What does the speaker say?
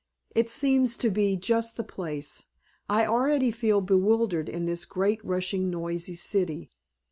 "It seems to be just the place. I already feel bewildered in this great rushing noisy city.